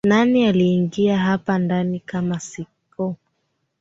Nani aliingia hapa ndani kama siko?